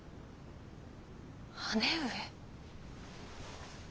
姉上？